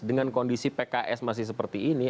dengan kondisi pks masih seperti ini